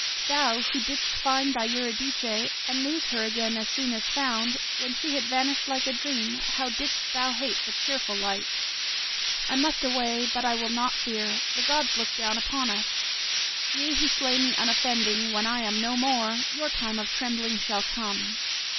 Thou, who didst find thy Eurydice, and lose her again as soon as found; when she had vanished like a dream, how didst thou hate the cheerful light! I must away, but I will not fear. The gods look down upon us. Ye who slay me unoffending, when I am no more, your time of trembling shall come.